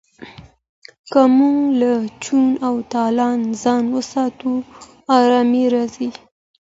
که موږ له چور او تالان ځان وساتو ارامي راځي.